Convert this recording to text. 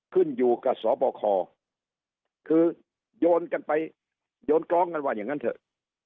ขึ้นอยู่กับสบคคือโยนกันไปโยนกร้องกันว่าอย่างนั้นเถอะ